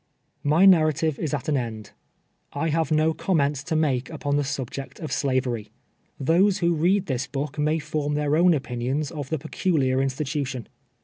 My narrative is at an end. I have no comments to make upon the subject of Slavery. Those who read this book may form tlieir own opinions of the " pe culiar institution."